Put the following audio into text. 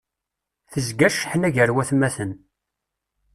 Tezga cceḥna gar watmaten.